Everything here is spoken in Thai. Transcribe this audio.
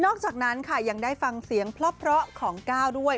จากนั้นค่ะยังได้ฟังเสียงเพราะของก้าวด้วย